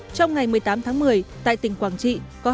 trong ngày một mươi tám tháng một mươi tại tỉnh quảng trị có hai người chết